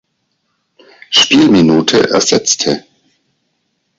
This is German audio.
Spielminute ersetzte.